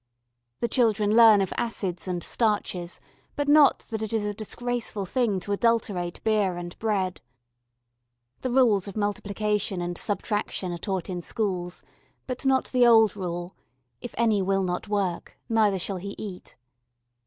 The children learn of acids and starches, but not that it is a disgraceful thing to adulterate beer and bread. The rules of multiplication and subtraction are taught in schools, but not the old rule, "If any will not work, neither shall he eat."